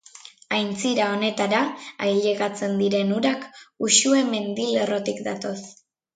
Aintzira honetara ailegatzen diren urak Uxue mendilerrotik datoz.